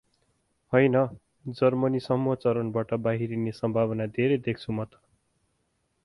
हैन, जर्मनी समुह चरणबाट बहिरिने सम्भावना धेरै देख्छु म त ।